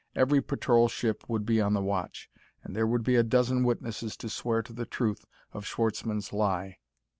Every patrol ship would be on the watch. And there would be a dozen witnesses to swear to the truth of Schwartzmann's lie.